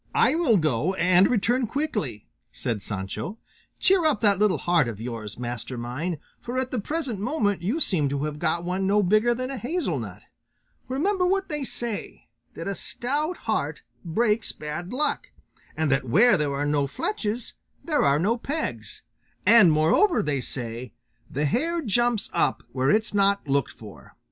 "I will go and return quickly," said Sancho; "cheer up that little heart of yours, master mine, for at the present moment you seem to have got one no bigger than a hazel nut; remember what they say, that a stout heart breaks bad luck, and that where there are no fletches there are no pegs; and moreover they say, the hare jumps up where it's not looked for.